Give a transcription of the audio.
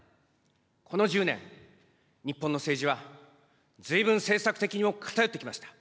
この１０年、日本の政治はずいぶん政策的にも偏ってきました。